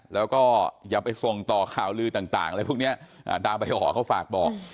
แล้วก็อย่าไปส่งต่อข่าวลือต่างอะไรพวกนี้ดาวใบหอเขาฝากบอก